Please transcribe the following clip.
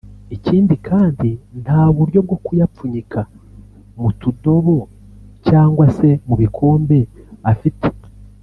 Ikindi kandi nta buryo bwo kuyapfunyika mu tudobo cyangwa se mu bikombe afite